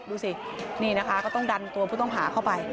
ดูสินี่นะคะก็ต้องดันตัวผู้ต้องหาเข้าไป